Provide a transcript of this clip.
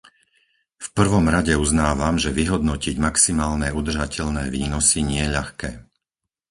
V prvom rade uznávam, že vyhodnotiť maximálne udržateľné výnosy nie je ľahké.